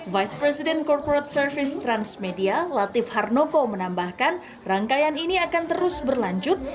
vice president corporate service transmedia latif harnoko menambahkan rangkaian ini akan terus berlanjut